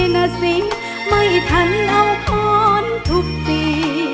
เน่าสิ่งไม่ทันเอาข้อนทุกตี